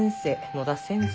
野田先生。